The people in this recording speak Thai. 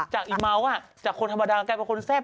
อีเมาส์จากคนธรรมดากลายเป็นคนแซ่บ